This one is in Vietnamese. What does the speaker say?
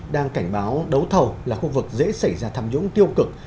đang cảnh báo đấu thầu là khu vực dễ xảy ra tham nhũng tiêu cực